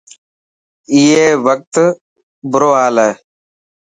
اي وقت برو هال هي.